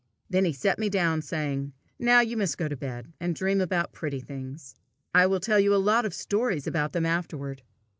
Then he set me down, saying, "Now you must go to bed, and dream about the pretty things. I will tell you a lot of stories about them afterward."